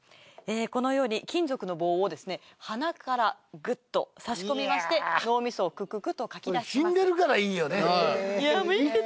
このように金属の棒を鼻からぐっと差し込みまして脳みそをグググッとかき出します。